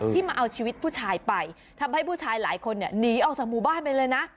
มาเอาชีวิตผู้ชายไปทำให้ผู้ชายหลายคนเนี่ยหนีออกจากหมู่บ้านไปเลยนะ